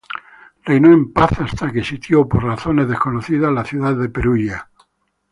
Reinó en paz hasta que sitió, por razones desconocidas, la ciudad de Perugia.